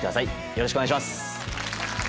よろしくお願いします。